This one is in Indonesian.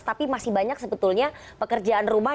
tapi masih banyak sebetulnya pekerjaan rumah